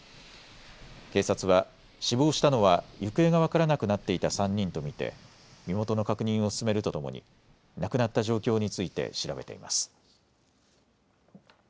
警察は死亡したのは行方が分からなくなっていた３人と見て身元の確認を進めるとともに亡くなった状況について調べています。